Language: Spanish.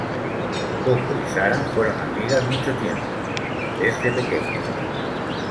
Coco y Sara fueron amigas mucho tiempo, desde pequeñas.